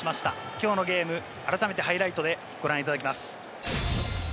きょうのゲーム、改めてハイライトでご覧いただきます。